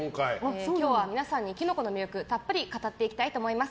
今日は皆さんにキノコの魅力をたっぷり語っていきたいと思います。